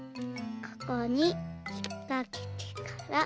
ここにひっかけてから。